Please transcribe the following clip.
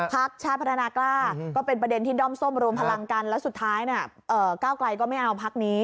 พักชาติพัฒนากล้าก็เป็นประเด็นที่ด้อมส้มรวมพลังกันแล้วสุดท้ายก้าวไกลก็ไม่เอาพักนี้